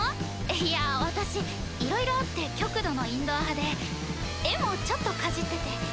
いや私いろいろあって極度のインドア派で絵もちょっとかじってて。